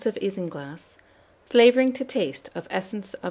of isinglass, flavouring to taste of essence of vanilla.